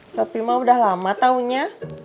sopi ma udah lama taunya